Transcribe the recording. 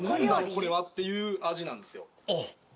これはっていう味なんですよ。